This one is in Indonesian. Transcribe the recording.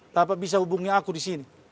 tanpa bisa hubungi aku di sini